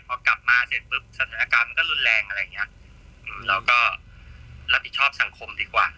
พอกลับมาเสร็จปุ๊บสถานการณ์มันก็รุนแรงอะไรอย่างเงี้ยเราก็รับผิดชอบสังคมดีกว่า